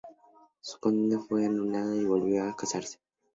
Su condena fue anulada y volvió a casarse.